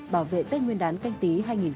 bảo vệ tết nguyên đán canh tí hai nghìn hai mươi